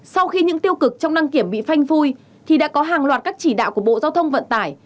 sau khi những tiêu cực trong đăng kiểm bị phanh phui thì đã có hàng loạt các chỉ đạo của bộ giao thông vận tải